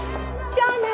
じゃあね。